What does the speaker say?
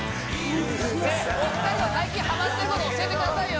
ねえお二人の最近はまってること教えてくださいよ